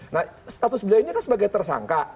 nah status bidanya kan sebagai tersangka